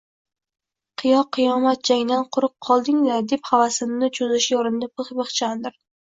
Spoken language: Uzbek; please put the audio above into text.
– Qiyyo-qiyomat jangdan quruq qolding-da, – deb havasimni qo‘zishga urindi Pixpix Chandr